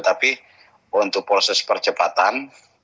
tapi untuk proses percepatan